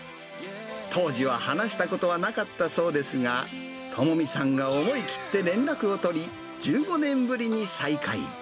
当時は話したことはなかったそうですが、友美さんが思い切って連絡を取り、１５年ぶりに再会。